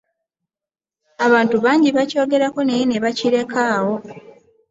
Abantu bangi bakyogerako naye ne bakirekaawo